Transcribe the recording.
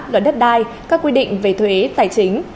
luật đất đai các quy định về thuế tài chính